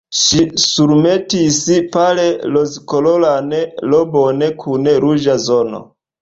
Ŝi surmetis pale rozkoloran robon kun ruĝa zono.